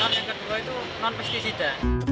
yang kedua itu non pesticida